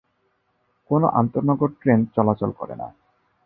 কোন আন্তঃনগর ট্রেন চলাচল করে না।